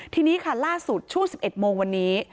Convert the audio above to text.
ทีนี้ค่ะล่าสุดช่วง๑๑โมงวันนี้